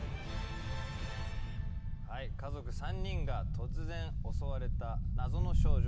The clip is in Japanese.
はい家族３人が突然襲われた謎の症状